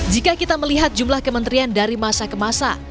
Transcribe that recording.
jika kita melihat jumlah kementerian dari masa ke masa